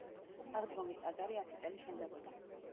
აღდგომის ტაძარი ათი წელი შენდებოდა.